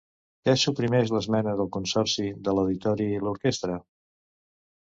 Què suprimeix l'esmena del Consorci de l'Auditori i l'Orquestra?